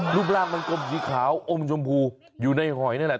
รูปร่างมันกลมสีขาวอมชมพูอยู่ในหอยนั่นแหละ